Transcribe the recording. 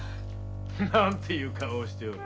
何ていう顔をしておる。